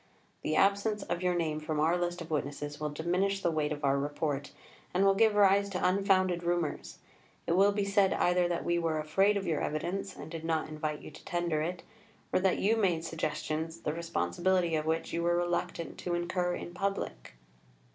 The absence of your name from our list of witnesses will diminish the weight of our Report, and will give rise to unfounded rumours; it will be said either that we were afraid of your evidence, and did not invite you to tender it, or that you made suggestions, the responsibility of which you were reluctant to incur in public."